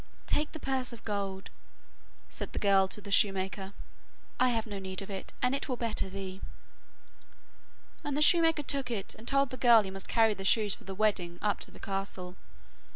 'Take the purse of gold,' said the girl to the shoemaker, 'I have no need of it, and it will better thee.' And the shoemaker took it and told the girl he must carry the shoes for the wedding up to the castle.